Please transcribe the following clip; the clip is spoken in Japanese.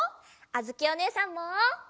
あづきおねえさんも！